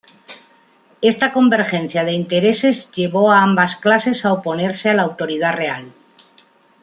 Esta convergencia de intereses llevo a ambas clases a oponerse a la autoridad real.